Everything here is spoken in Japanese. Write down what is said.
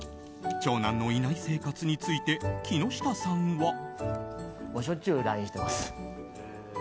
長男のいない生活について木下さんは。